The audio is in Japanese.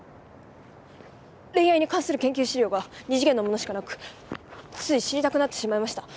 恋愛に関する研究資料が２次元のものしかなくつい知りたくなってしまいました。